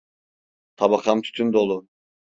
Tabakam tütün dolu.